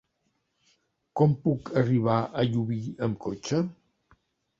Com puc arribar a Llubí amb cotxe?